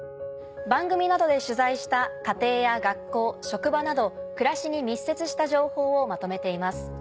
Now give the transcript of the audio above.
番組などで取材した家庭や学校職場など暮らしに密接した情報をまとめています。